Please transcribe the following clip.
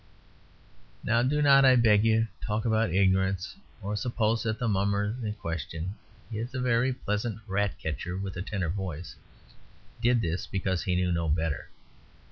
Now do not, I beg you, talk about "ignorance"; or suppose that the Mummer in question (he is a very pleasant Ratcatcher, with a tenor voice) did this because he knew no better.